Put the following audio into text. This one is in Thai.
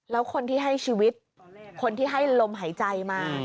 แล้วคนที่ให้ชีวิตคนที่ให้ลมหายใจมา